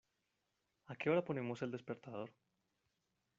¿A qué hora ponemos el despertador?